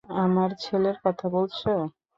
আমার ছেলের কথা বলছ?